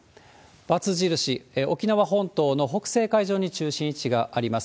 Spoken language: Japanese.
×印、沖縄本島の北西海上に中心位置があります。